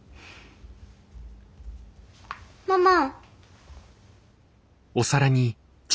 ママ。